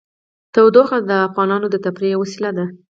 تودوخه د افغانانو د تفریح یوه وسیله ده.